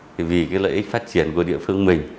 thì vì cái lợi ích phát triển của địa phương mình